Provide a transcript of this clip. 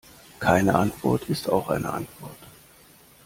Keine Antwort ist auch eine Antwort.